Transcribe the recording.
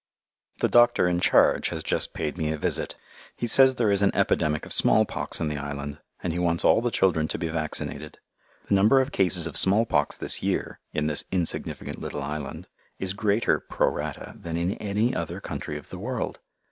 The doctor in charge has just paid me a visit. He says there is an epidemic of smallpox in the island, and he wants all the children to be vaccinated. The number of cases of smallpox this year in this "insignificant little island" is greater pro rata than in any other country of the world.